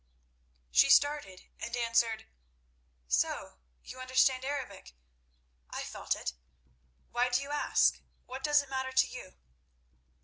She started, and answered: "So you understand Arabic? I thought it. Why do you ask? What does it matter to you?"